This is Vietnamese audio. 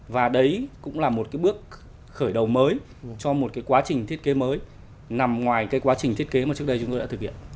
và đấy cũng là một cái bước khởi đầu mới cho một cái quá trình thiết kế mới nằm ngoài cái quá trình thiết kế mà trước đây chúng tôi đã thực hiện